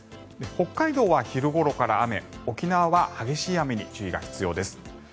北海道は昼ごろから雨沖縄は激しい雨に注意が必要です。